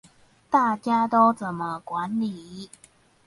大家都怎麼管理